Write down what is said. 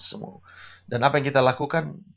semua dan apa yang kita lakukan